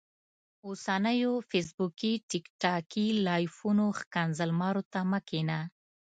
اوسنيو فيسبوکي ټیک ټاکي لايفونو ښکنځل مارو ته مه کينه